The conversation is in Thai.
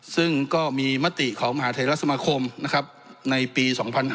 ซึ่งก็มีมติของมหาธัยรัฐสมคมในปี๒๕๖๗